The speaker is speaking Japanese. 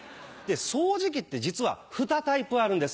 掃除機って実は２タイプあるんです。